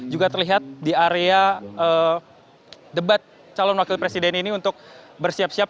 juga terlihat di area debat calon wakil presiden ini untuk bersiap siap